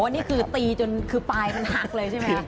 อ๋อนี่คือตีจนคือปลายถึงหักเลยใช่ไหมครับ